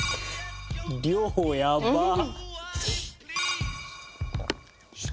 量やばっ！